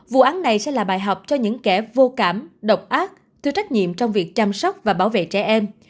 vụ án này sẽ là bài học cho những kẻ vô cảm độc ác thiếu trách nhiệm trong việc chăm sóc và bảo vệ trẻ em